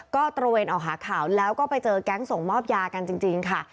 ก็ตระเวนออกหาข่าวแล้วก็ไปเจอแก๊งส่งมอบยากันจริงค่ะ